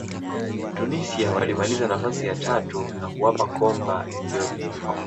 tunisia walimaliza nafasi ya tatu na kuwapa komba ethiopia